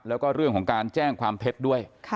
แล้วก็เรื่องของการแจ้งความเท็จด้วย